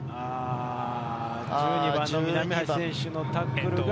１２番の選手のタックルが。